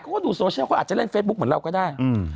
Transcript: เขาก็ดูโซเชียลเขาอาจจะเล่นเฟซบุ๊คเหมือนเราก็ได้